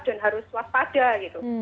dan harus waspada gitu